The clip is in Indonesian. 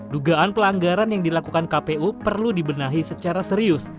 dugaan pelanggaran yang dilakukan kpu perlu dibenahi secara serius